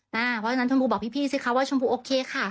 เพราะฉะนั้นชมพูบอกพี่สิคะว่าชมพูโอเคค่ะ